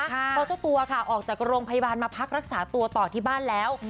เพราะเจ้าตัวค่ะออกจากโรงพยาบาลมาพักรักษาตัวต่อที่บ้านแล้ว